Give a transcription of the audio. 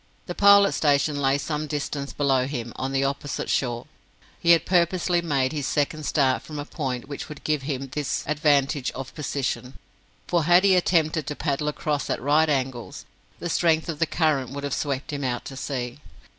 The Pilot Station lay some distance below him, on the opposite shore. He had purposely made his second start from a point which would give him this advantage of position; for had he attempted to paddle across at right angles, the strength of the current would have swept him out to sea.